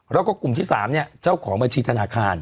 แล้วก็กลุ่มที่๓เจ้าของบัญชีธนาคาร